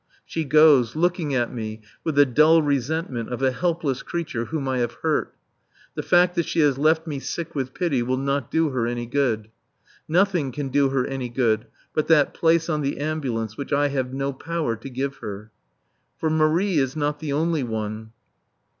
She goes, looking at me with the dull resentment of a helpless creature whom I have hurt. The fact that she has left me sick with pity will not do her any good. Nothing can do her any good but that place on the ambulance which I have no power to give her. For Marie is not the only one.